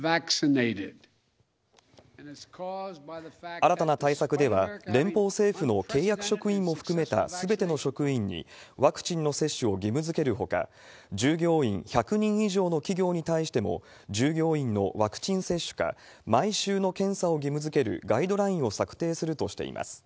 新たな対策では、連邦政府の契約職員も含めたすべての職員のワクチンの接種を義務づけるほか、従業員１００人以上の企業に対しても、従業員のワクチン接種か、毎週の検査を義務づけるガイドラインを策定するとしています。